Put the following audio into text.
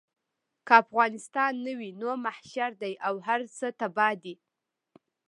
که افغانستان نه وي نو محشر دی او هر څه تباه دي.